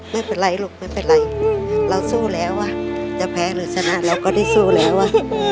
ไม่เป็นไรลูกไม่เป็นไรเราสู้แล้วจะแพ้หรือชนะเราก็ได้สู้แล้วอ่ะ